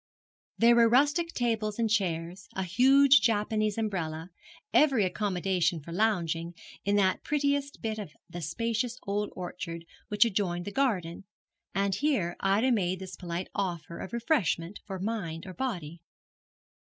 There were rustic tables and chairs, a huge Japanese umbrella, every accommodation for lounging, in that prettiest bit of the spacious old orchard which adjoined the garden, and here Ida made this polite offer of refreshment for mind or body.